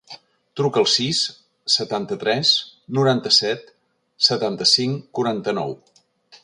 Truca al sis, setanta-tres, noranta-set, setanta-cinc, quaranta-nou.